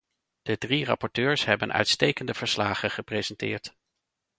De drie rapporteurs hebben uitstekende verslagen gepresenteerd.